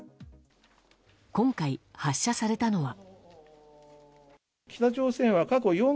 今回、発射されたのは。